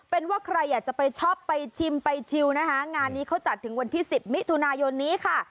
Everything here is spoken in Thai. เป็นว่าใครอยากจะไปชอบไปชิมไปชิวนะคะงานนี้เขาจัดถึงวันที่สิบมิถุนายนนี้ค่ะ